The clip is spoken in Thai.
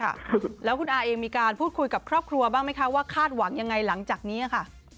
ค่ะแล้วคุณอาเองมีการพูดคุยกับครอบครัวบ้างไหมคะว่าคาดหวังยังไงหลังจากนี้ค่ะ